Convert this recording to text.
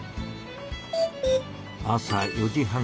朝４時半。